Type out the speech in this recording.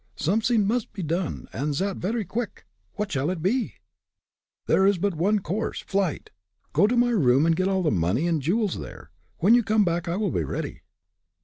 "Somesing must be done, and zat vera quick. What s'all it be?" "There is but one course flight. Go to my room and get all the money and jewels there. When you come back, I will be ready."